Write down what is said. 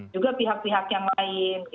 juga pihak pihak yang lain